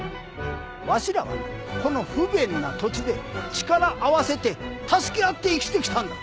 わしらはこの不便な土地で力合わせて助け合って生きてきたんだ。